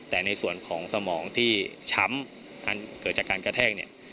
แต่ในส่วนของสมองที่ช้ำเกิดจากการกระแทก